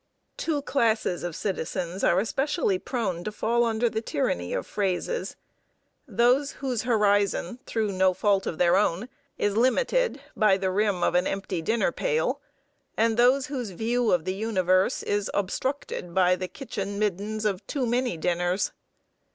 Two classes of citizens are especially prone to fall under the tyranny of phrases: those whose horizon, through no fault of their own, is limited by the rim of an empty dinner pail; and those whose view of the universe is obstructed by the kitchen middens of too many dinners.